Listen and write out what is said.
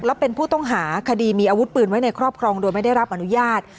และเป็นผู้ต้องหาคดีมีอาวุธปืนไว้ในครอบครองโดยไม่ได้รับอนุญาต